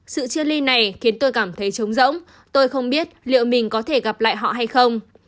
sự chia ly này khiến tôi cảm thấy chống rỗng tôi không biết liệu mình có thể gặp lại họ hay không